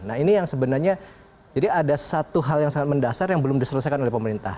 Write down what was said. nah ini yang sebenarnya jadi ada satu hal yang sangat mendasar yang belum diselesaikan oleh pemerintah